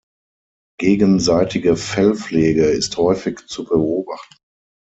Gegenseitige Fellpflege ist häufig zu beobachten.